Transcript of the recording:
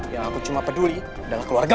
yang aku cuma peduli dengan keluarga